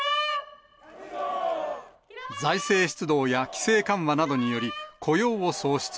財政出動や規制緩和などにより、雇用を創出。